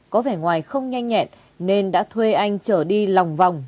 có vẻ ngoài không nhanh nhẹn nên đã thuê anh trở đi lòng vòng